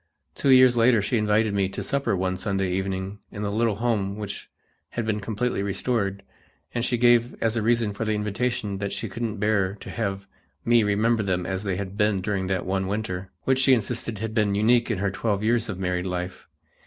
Two years later she invited me to supper one Sunday evening in the little home which had been completely restored, and she gave as a reason for the invitation that she couldn't bear to have me remember them as they had been during that one winter, which she insisted had been unique in her twelve years of married life.